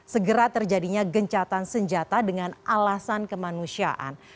segera terjadinya gencatan senjata dengan alasan kemanusiaan